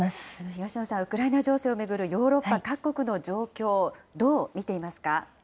東野さん、ウクライナ情勢を巡るヨーロッパ各国の状況、どう見ていますか？